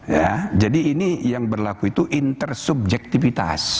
ya jadi ini yang berlaku itu intersubjektivitas